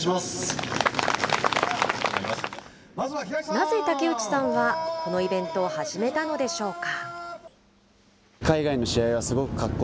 なぜ竹内さんはこのイベントを始めたのでしょうか。